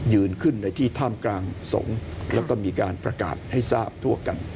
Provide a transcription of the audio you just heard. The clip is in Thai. ขึ้นในที่ท่ามกลางสงฆ์แล้วก็มีการประกาศให้ทราบทั่วกัน